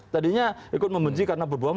tadinya ikut membenci karena berbohong